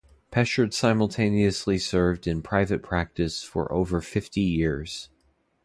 Peschard simultaneously served in private practice for over fifty years.